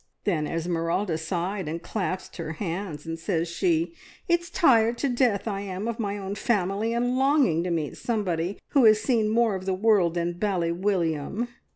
Then Esmeralda sighed and clasped her hands, and says she, `It's tired to death I am of my own family, and longing to meet somebody who has seen more of the world than Bally William.